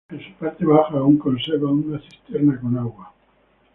En su parte baja aún conserva una cisterna con agua.